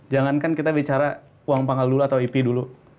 jangankan kita bicara uang panggal dulu atau ip dulu